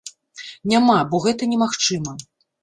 Няма, бо гэта немагчыма.